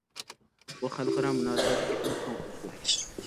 بۇ خەلقئارا مۇناسىۋەتتىكى ئەڭ چوڭ ئۆزگىرىش.